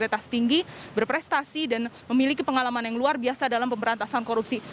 sejumlah nama yang memiliki integritas yang tinggi berprestasi dan memiliki pengalaman yang luar biasa dalam pemberantasan korupsi